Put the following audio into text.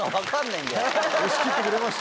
押し切ってくれました。